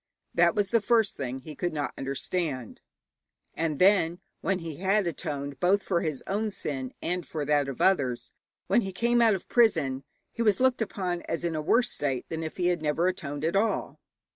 That was the first thing he could not understand. And then, when he had atoned both for his own sin and for that of others, when he came out of prison, he was looked upon as in a worse state than if he had never atoned at all.